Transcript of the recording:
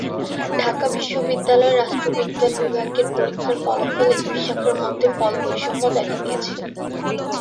ঢাকা বিশ্ববিদ্যালয়ের রাষ্ট্রবিজ্ঞান বিভাগের পরীক্ষার ফলাফলে দুই শাখার মধ্যে ফলবৈষম্য দেখা দিয়েছে।